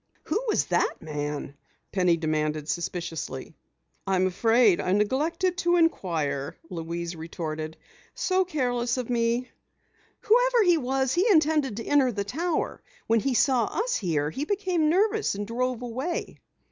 "Who was that man?" Penny demanded suspiciously. "I'm afraid I neglected to inquire," Louise retorted. "So careless of me!" "Whoever he was, he intended to enter the tower! When he saw us here, he became nervous and drove away!"